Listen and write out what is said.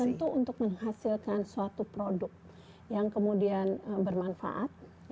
jadi memang tentu untuk menghasilkan suatu produk yang kemudian bermanfaat